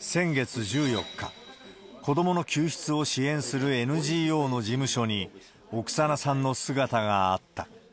先月１４日、子どもの救出を支援するＮＧＯの事務所に、オクサナさんの姿があった。